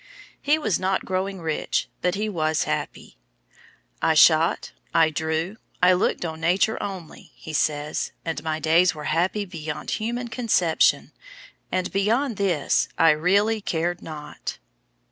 He was not growing rich, but he was happy. "I shot, I drew, I looked on Nature only," he says, "and my days were happy beyond human conception, and beyond this I really cared not."